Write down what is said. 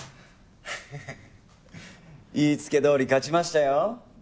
フフッ言いつけどおり勝ちましたよ。